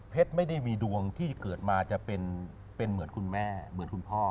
เพชรไม่ได้ดวงที่เกิดมาจะเป็นเหมือนคุณแม่